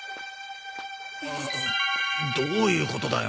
ああどういうことだよ。